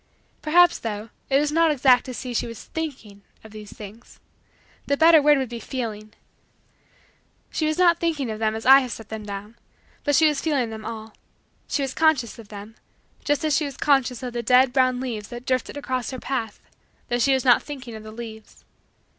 Perhaps, though, it is not exact to say that she was thinking of these things. The better word would be feeling. She was not thinking of them as I have set them down: but she was feeling them all. She was conscious of them, just as she was conscious of the dead brown leaves that drifted across her path, though she was not thinking of the leaves.